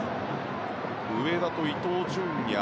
上田と伊東純也